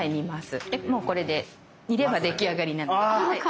でもうこれで煮れば出来上がりなので。